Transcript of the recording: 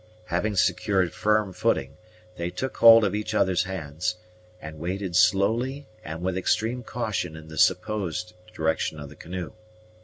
Having secured firm footing, they took hold of each other's hands, and waded slowly and with extreme caution in the supposed direction of the canoe.